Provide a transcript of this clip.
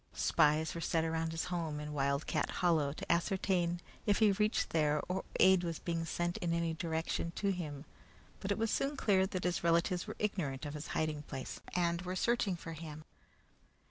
Spies were set around his home, in Wildcat Hollow, to ascertain if he reached there or aid was being sent in any direction to him; but it was soon clear that his relatives were ignorant of his hiding place, and were searching for him.